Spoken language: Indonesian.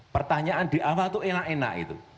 pertanyaan di awal tuh enak enak itu